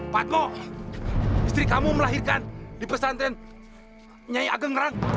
fatma istri kamu melahirkan di pesantren nyai ageng rang